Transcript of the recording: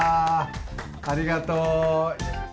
ありがとう。